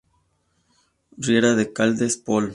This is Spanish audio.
Riera de Caldes, Pol.